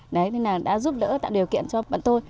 đấy đã giúp đỡ tạo điều kiện cho bọn tôi